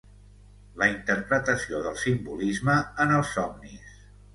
La interpretació del simbolisme en els somnis